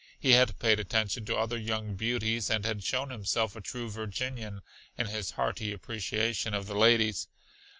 He had paid attention to other young beauties and had shown himself a true Virginian in his hearty appreciation of the ladies.